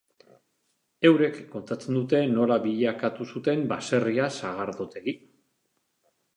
Eurek kontatzen dute nola bilakatu zuten baserria sagardotegi.